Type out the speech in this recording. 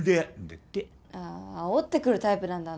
だってあああおってくるタイプなんだ